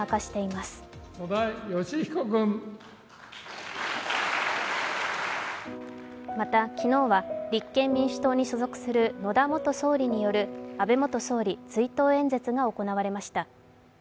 また昨日は立憲民主党に所属する野田元総理による安倍元総理追悼演説が行われました。